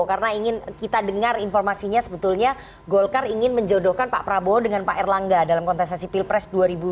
karena ingin kita dengar informasinya sebetulnya golkar ingin menjodohkan pak prabowo dengan pak erlangga dalam kontestasi pilpres dua ribu dua puluh empat